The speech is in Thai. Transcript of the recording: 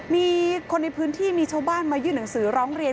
มีคนในพื้นที่มีชาวบ้านมายื่นหนังสือร้องเรียน